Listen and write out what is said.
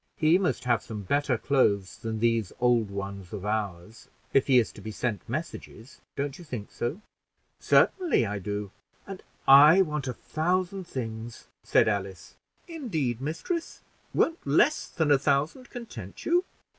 He must have some better clothes than these old ones of ours, if he is to be sent messages. Don't you think so?" "Certainly I do." "And I want a thousand things," said Alice. "Indeed, mistress, won't less than a thousand content you?"